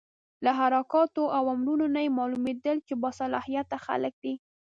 له حرکاتو او امرونو نه یې معلومېدل چې با صلاحیته خلک دي.